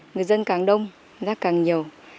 người dân càng đông rác càng nhiều